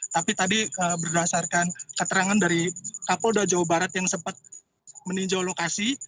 tapi tadi berdasarkan keterangan dari kapolda jawa barat yang sempat meninjau lokasi